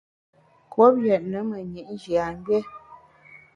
Kouop yètne menyit njiamgbié.